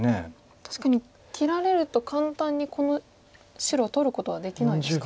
確かに切られると簡単にこの白を取ることはできないですか。